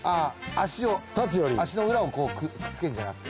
足の裏をくっつけるじゃなくて。